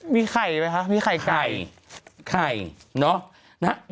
วิไข่ไหมคะวิไข่ไข่ไข่